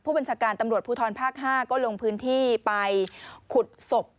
บัญชาการตำรวจภูทรภาค๕ก็ลงพื้นที่ไปขุดศพ